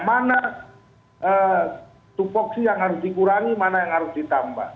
mana tupoksi yang harus dikurangi mana yang harus ditambah